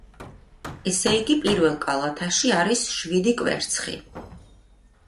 ესე იგი, პირველ კალათაში არის შვიდი კვერცხი.